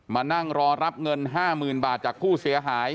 มานั่งรอรับเงิน๕๐๐๐บาทจากผู้เสียหาย